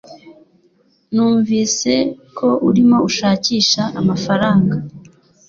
Numvise ko urimo ushakisha amafaranga